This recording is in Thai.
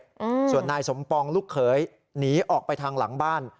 อืมส่วนนายสมปองลูกเขยหนีออกไปทางหลังบ้าน